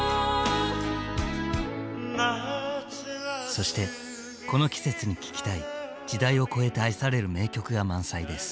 そしてこの季節に聴きたい時代を超えて愛される名曲が満載です。